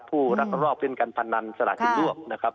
ผู้รับรอบเล่นกันพันธุ์นั้นสละทีรวบนะครับ